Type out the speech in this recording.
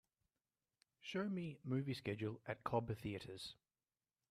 Show me movie schedule at Cobb Theatres